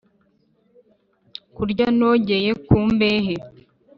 Kurya nogeye ku mbehe